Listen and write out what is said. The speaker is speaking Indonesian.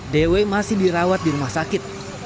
dewi masih dirawat di rumah sakit